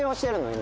今。